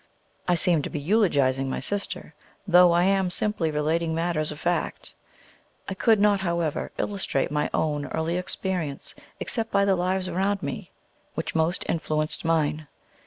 I seem to be eulogizing my sister, though I am simply relating matters of fact. I could not, however, illustrate my own early experience, except by the lives around me which most influenced mine.